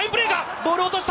ボールを落とした。